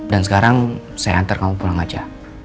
dan sekarang saya hantar kamu pulang aja